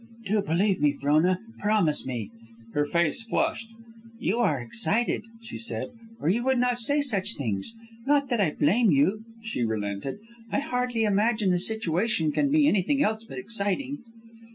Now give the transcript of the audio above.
"Do believe me, Frona. Promise me." Her face flushed. "You are excited," she said, "or you would not say such things. Not that I blame you," she relented. "I hardly imagine the situation can be anything else but exciting."